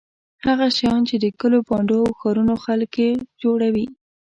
هغه شیان چې د کلیو بانډو او ښارونو خلک یې جوړوي.